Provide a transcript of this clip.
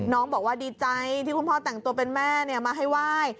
น้องบอกว่าดีใจที่คุณพ่อแต่งตัวเป็นแม่มาให้ไหว้